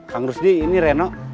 kang rusdi ini reno